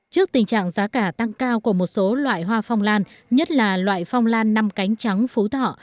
trước tình trạng giá cả tăng cao của một số loại hoa phong lan nhất là loại phong lan năm cánh trắng phú thọ